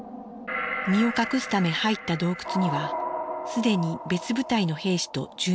身を隠すため入った洞窟には既に別部隊の兵士と住民がいました。